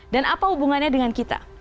dan apa hubungannya dengan kita